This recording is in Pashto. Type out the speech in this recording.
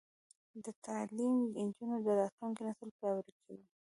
تعلیم د نجونو راتلونکی نسل پیاوړی کوي.